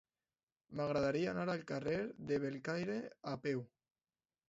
M'agradaria anar al carrer de Bellcaire a peu.